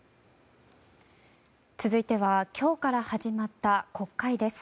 続いては今日から始まった国会です。